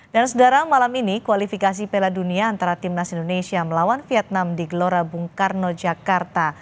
dan sedara malam ini kualifikasi pela dunia antara timnas indonesia melawan vietnam di glora bung karno jakarta